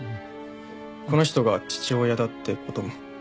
この人が父親だって事も。